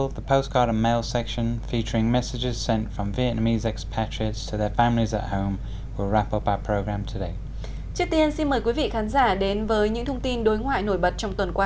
trước tiên xin mời quý vị khán giả đến với những thông tin đối ngoại nổi bật trong tuần qua